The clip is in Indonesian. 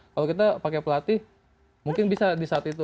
kalau kita pakai pelatih mungkin bisa di saat itu